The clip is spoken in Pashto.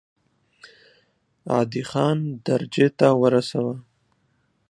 عادي خان درجې ته ورساوه.